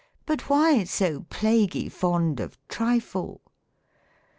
But why so plaguy fond of trifle